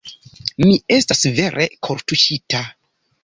Mi estas vere kortuŝita.